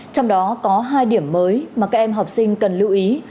trong đó có hai điểm mới mà các em học sinh cần lưu ý